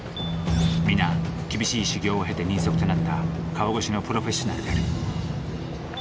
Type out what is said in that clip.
皆厳しい修業を経て人足となった川越しのプロフェッショナルである。